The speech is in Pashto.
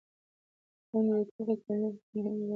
• غونډۍ د تودوخې تنظیم کې مهم رول لري.